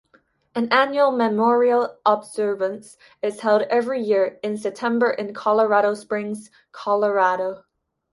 An annual memorial observance is held each year in September in Colorado Springs, Colorado.